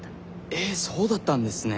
えっそうだったんですね。